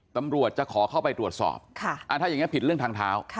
ตำรวจจะขอเข้าไปตรวจสอบถ้าอย่างนี้ผิดเรื่องทางเท้า